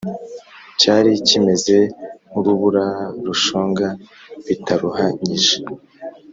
cyari kimeze nk’urubura rushonga bitaruhanyije.